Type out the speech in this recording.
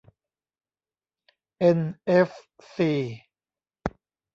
เอ็นเอฟซี